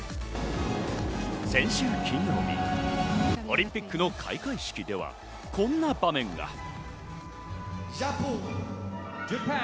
先週金曜日、オリンピックの開会式ではこんな場面が。